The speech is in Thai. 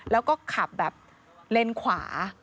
แล้วก็ขับแบบเลนขวา